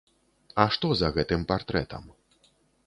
А што за гэтым партрэтам?